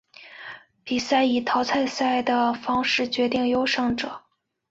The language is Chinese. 比赛以淘汰赛方式决定优胜者。